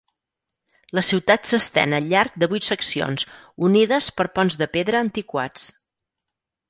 La ciutat s'estén al llarg de vuit seccions, unides per ponts de pedra antiquats.